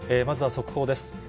まずは速報です。